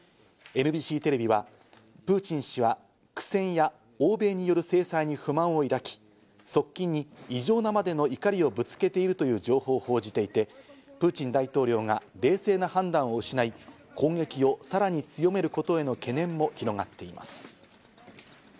ＮＢＣテレビはプーチン氏は苦戦や欧米による制裁に不満を抱き、側近に異常なまでの怒りをぶつけているという情報を報じていて、プーチン大統領が冷静な判断を失い、攻撃をさらに強めることへの懸念も広がっています。